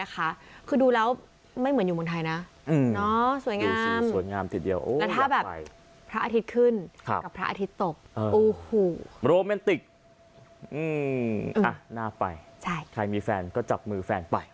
ใครมีแฟนก็จับมือแฟนไป